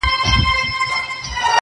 له کتابه یې سر پورته کړ اسمان ته!!